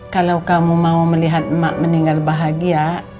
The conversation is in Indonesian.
kalau kamu mau melihat emak meninggal bahagia